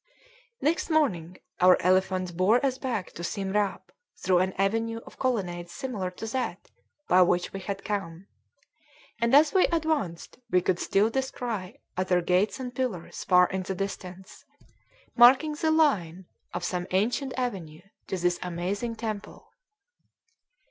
Next morning our elephants bore us back to Siemrâp through an avenue of colonnades similar to that by which we had come; and as we advanced we could still descry other gates and pillars far in the distance, marking the line of some ancient avenue to this amazing temple.